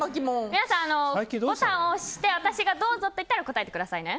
皆さん、ボタンを押して私がどうぞと言ったら答えてくださいね。